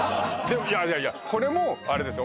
いやいやこれもあれですよ